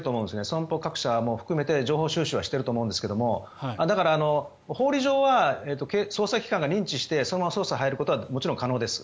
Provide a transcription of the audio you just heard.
損保各社含めて情報収集はしていると思うんですがだから法理上は捜査機関が認知してそのまま捜査に入ることは可能です。